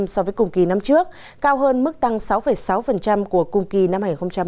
so với cùng kỳ năm trước cao hơn mức tăng sáu sáu của cùng kỳ năm hai nghìn một mươi tám